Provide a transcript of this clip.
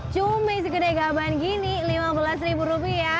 cumis di kedai gaban gini rp lima belas